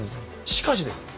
しかしですね